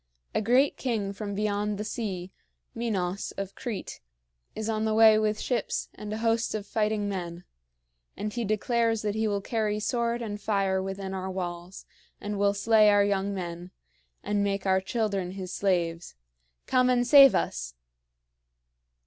A great king from beyond the sea, Minos of Crete, is on the way with ships and a host of fighting men; and he declares that he will carry sword and fire within our walls, and will slay our young men and make our children his slaves. Come and save us!"